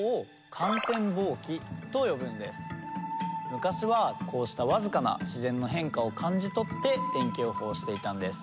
昔はこうした僅かな自然の変化を感じ取って天気予報していたんです。